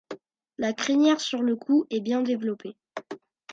La crinière sur le cou est bien développée.